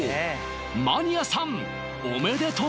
マニアさんおめでとう！